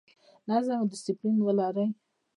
نظم او ډیسپلین ولرئ